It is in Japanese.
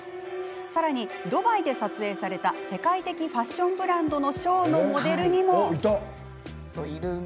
さらに、ドバイで撮影された世界的ファッションブランドのショーのモデルにも。